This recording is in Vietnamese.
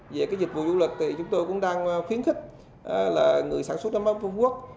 về cái dịch vụ du lịch thì chúng tôi cũng đang khuyến khích là người sản xuất nước mắm phú quốc